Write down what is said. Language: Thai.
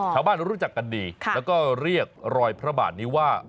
รู้จักกันดีแล้วก็เรียกรอยพระบาทนี้ว่า